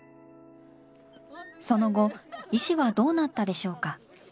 その後石はどうなったでしょうか。